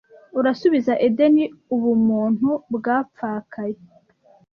urasubiza edeni ubumuntu bwapfakaye